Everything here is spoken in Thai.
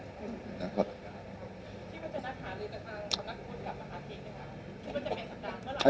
ที่มันจะนัดหาเรือกระทางของนักคุณกับมหาเทศนะครับ